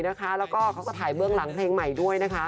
อ่ะแล้วก็เค้าก็ถ่ายเบื้องหลังเพลงใหม่ด้วย